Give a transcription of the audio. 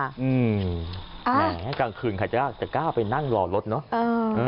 แหมกลางคืนใครจะกล้าไปนั่งรอรถเนอะ